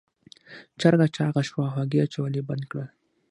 چرګه چاغه شوه او هګۍ اچول یې بند کړل.